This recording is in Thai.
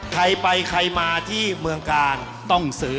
ใครไปใครมาที่เมืองกาลต้องซื้อ